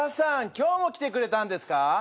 今日も来てくれたんですか？